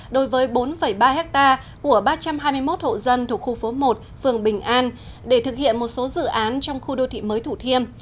đối với bốn ba hectare của ba trăm hai mươi một hộ dân thuộc khu phố một phường bình an để thực hiện một số dự án trong khu đô thị mới thủ thiêm